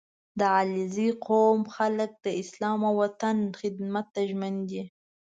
• د علیزي قوم خلک د اسلام او وطن خدمت ته ژمن دي.